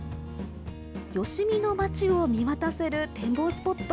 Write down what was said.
吉見の町を見渡せる展望スポット。